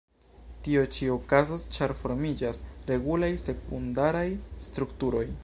Tio ĉi okazas, ĉar formiĝas regulaj sekundaraj strukturoj.